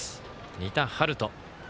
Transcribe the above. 仁田陽翔。